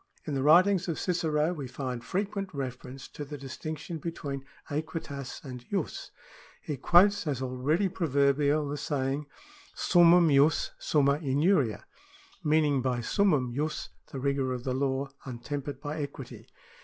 In the writings of Cicero we find frequent reference to the distinc tion between aequitas and J2is. He quotes as already pro verbial the saying, Summumjus sumnia injuria,^ meaning by summum jus the rigour of the law untempered by equity.